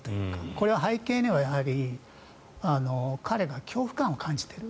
これは背景には彼が恐怖感を感じている。